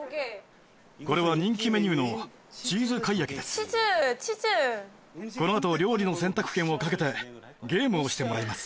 これはこのあと料理の選択権をかけてゲームをしてもらいます。